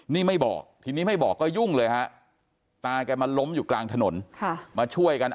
นี่ไม่บอกทีนี้ไม่บอกก็ยุ่งเลยฮะตาแกมาล้มอยู่กลางถนนมาช่วยกัน